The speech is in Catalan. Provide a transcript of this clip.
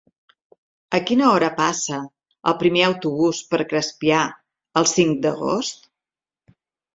A quina hora passa el primer autobús per Crespià el cinc d'agost?